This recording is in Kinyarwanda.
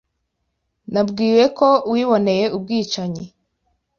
Nabwiwe ko wiboneye ubwicanyi.